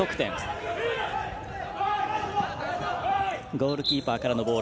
ゴールキーパーからのボール